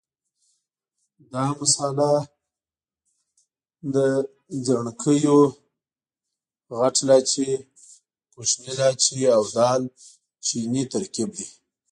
دا مساله د ځڼکیو، غټ لاچي، کوچني لاچي او دال چیني ترکیب دی.